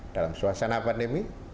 dalam suasana pandemi